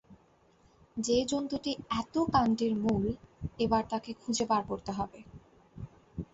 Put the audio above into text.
যে জন্তুটি এত কাণ্ডের মূল এবার তাকে খুঁজে বার করতে হবে।